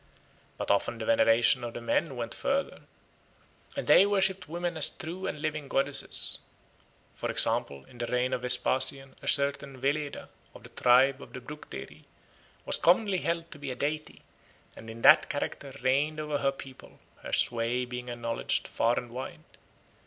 But often the veneration of the men went further, and they worshipped women as true and living goddesses. For example, in the reign of Vespasian a certain Veleda, of the tribe of the Bructeri, was commonly held to be a deity, and in that character reigned over her people, her sway being acknowledged far and wide.